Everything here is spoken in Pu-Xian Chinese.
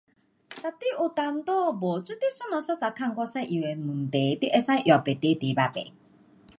哒你有问题没？哒你为何一直问我一样的问题，你可以换别提题目不？